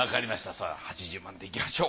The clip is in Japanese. さぁ８０万でいきましょう。